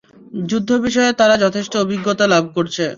যুদ্ধ বিষয়ে তারা যথেষ্ট অভিজ্ঞতা লাভ করেছে।